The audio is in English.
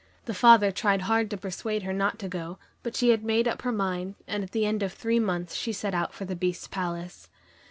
The father tried hard to persuade her not to go, but she had made up her mind, and at the end of the three months she set out for the Beast's palace.